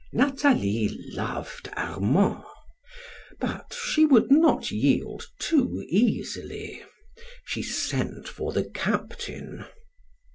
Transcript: Nathalie loved Armand; but she would not yield too easily. She sent for the captain.